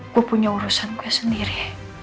gue punya urusan gue sendiri